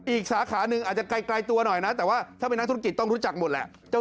อีกสาขาหนึ่งอาจจะไกลตัวหน่อยนะแต่ว่าถ้าเป็นนักธุรกิจต้องรู้จักหมดแหละ